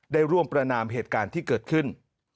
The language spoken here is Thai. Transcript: ได้ร่วมประนามเหตุการณ์ที่เกิดขึ้น